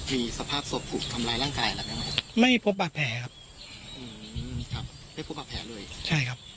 มีสภาพศพทำร้ายร่างกายหรือไม่มีไม่พบปากแผลครับอืมครับไม่พบปากแผลเลยใช่ครับ